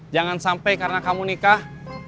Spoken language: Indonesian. jangan sampai karena kamu nikah